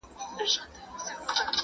بدکاره ملګري د دولت د رئیس نږدې کسان سول.